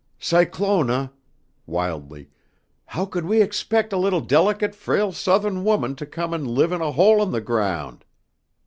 "Cyclona," wildly, "how could we expect a little delicate frail Southern woman to come and live in a hole in the ground.